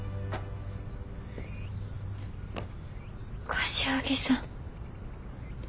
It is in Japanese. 柏木さん。